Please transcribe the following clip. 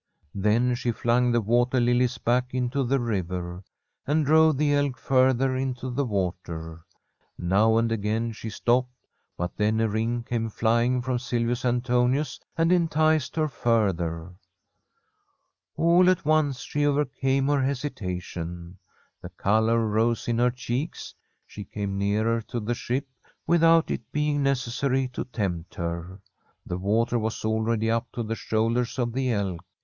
Then she flung the water lilies back into the river and drove the elk further into the water. Now and again she stopped, but then a ring came flying from Silvius Antonius, and enticed her further. All at once she overcame her hesitation. The colour rose in her cheeks. She came nearer to the ship without it being necessary to tempt her. The water was already up to the shoulders of the elk.